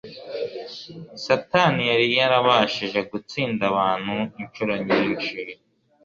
Satani yari yarabashije gutsinda abantu incuro nyinshi